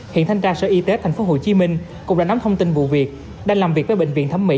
hiện thanh tra sở y tế tp hcm cũng đã nắm thông tin vụ việc đang làm việc với bệnh viện thẩm mỹ